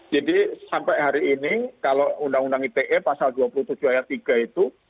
jadi sampai hari ini kalau undang undang ite pasal dua puluh tujuh ayat tiga itu